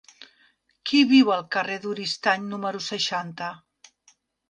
Qui viu al carrer d'Oristany número seixanta?